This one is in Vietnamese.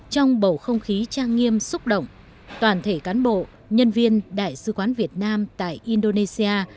trong bầu không khí trang nghiêm xúc động toàn thể cán bộ nhân viên đại sứ quán việt nam tại indonesia